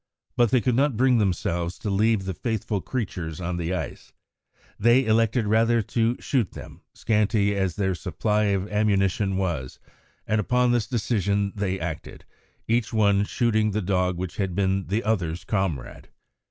But they could not bring themselves to leave the faithful creatures on the ice; they elected rather to shoot them, scanty as their supply of ammunition was, and upon this decision they acted, each one shooting the dog which had been the other's comrade.